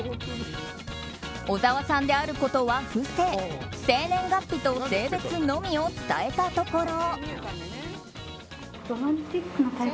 小沢さんであることは伏せ生年月日と性別のみを伝えたところ。